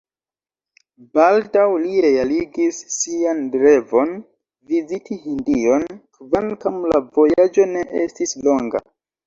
Baldaŭ li realigis sian revon – viziti Hindion, kvankam la vojaĝo ne estis longa.